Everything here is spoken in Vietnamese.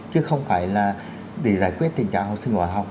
chứ không phải là để giải quyết tình trạng học sinh bỏ học